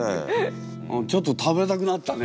ちょっと食べたくなったね。